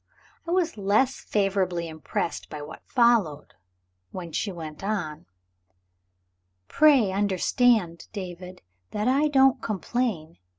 I was less favorably impressed by what followed, when she went on; "Pray understand, David, that I don't complain.